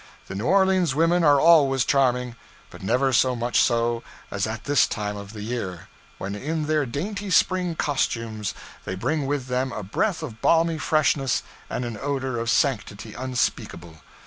The New Orleans women are always charming, but never so much so as at this time of the year, when in their dainty spring costumes they bring with them a breath of balmy freshness and an odor of sanctity unspeakable.